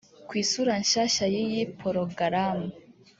Ku isura nshya y’iyi porogaramu